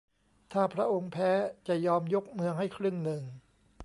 ถ้าพระองค์แพ้จะยอมยกเมืองให้ครึ่งหนึ่ง